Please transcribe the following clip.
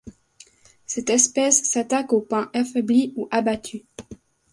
Cette espèce s'attaque aux pins affaiblis ou abattus.